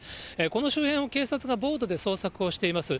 この周辺を警察がボートで捜索をしています。